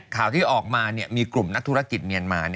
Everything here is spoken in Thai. ข่าวที่ออกมามีกลุ่มนักธุรกิจเมียนมา